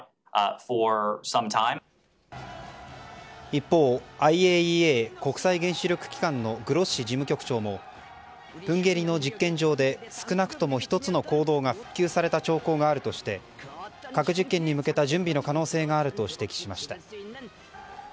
一方ＩＡＥＡ・国際原子力機関のグロッシ事務局長もプンゲリの実験場で少なくとも１つの坑道が復旧された兆候があるとして核実験に向けた準備の可能性があると指摘しました。